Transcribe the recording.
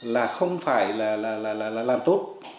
là không phải là làm tốt